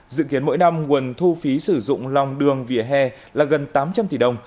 dự kiến mỗi năm nguồn thu phí sử dụng lòng đường vỉa hè là gần tám trăm linh tỷ đồng